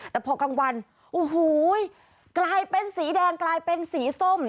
แต่พอกลางวันโอ้โหกลายเป็นสีแดงกลายเป็นสีส้ม